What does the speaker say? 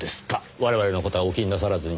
我々の事はお気になさらずに。